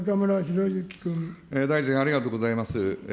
大臣、ありがとうございます。